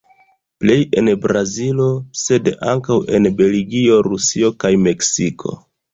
Plej en Brazilo, sed ankaŭ en Belgio, Rusio kaj Meksiko.